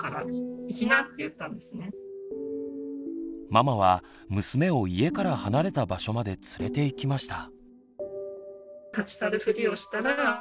ママは娘を家から離れた場所まで連れていきました。